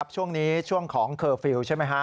ช่วงนี้ช่วงของเคอร์ฟิลล์ใช่ไหมฮะ